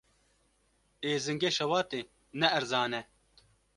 Êzingê şewatê ne erzan e.